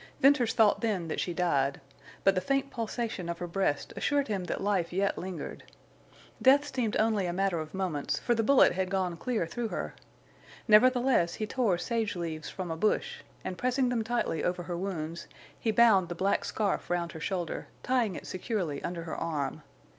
Venters thought then that she died. But the faint pulsation of her breast assured him that life yet lingered. Death seemed only a matter of moments, for the bullet had gone clear through her. Nevertheless, he tore sageleaves from a bush, and, pressing them tightly over her wounds, he bound the black scarf round her shoulder, tying it securely under her arm.